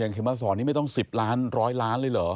เงินเครมศาสตร์นี้ไม่ต้อง๑๐ล้าน๑๐๐ล้านเลยเหรอ